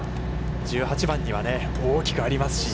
１８番には、大きくありますし。